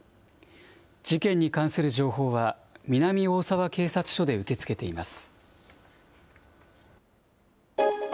事件に関する情報は、南大沢警察署で受け付けています。